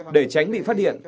để tránh bị phát hiện